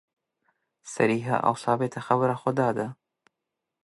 صریحه او ثابته خبره خو دا ده.